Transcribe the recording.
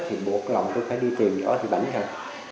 thì buộc lòng tôi phải đi tìm vợ chị bảnh thắt